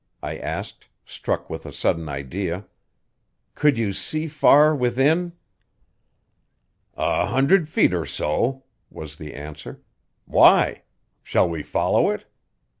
I asked, struck with a sudden idea. "Could you see far within?" "A hundred feet or so," was the answer. "Why? Shall we follow it?